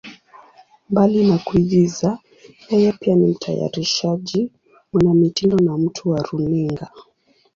Mbali na kuigiza, yeye pia ni mtayarishaji, mwanamitindo na mtu wa runinga.